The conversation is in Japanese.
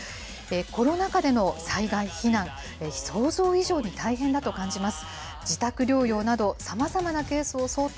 コロナ禍での災害避難、想像以上に大変だと感じます。